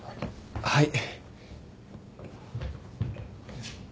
はい。